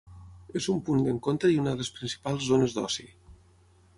És punt d'encontre i una de les principals zones d'oci.